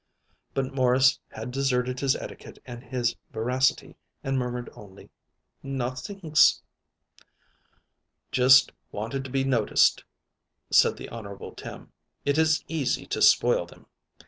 But Morris had deserted his etiquette and his veracity, and murmured only: "Nothings." "Just wanted to be noticed," said the Honorable Tim. "It is easy to spoil them."